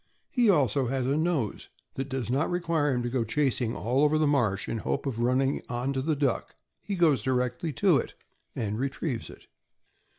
He also has a nose that does not require him to go chasing all over the marsh in the hope of running onto the duck — he goes directly to it and retrieves it.